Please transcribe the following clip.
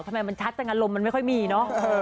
ทำไมมันชัดจังอารมณ์มันไม่ค่อยมีเนอะ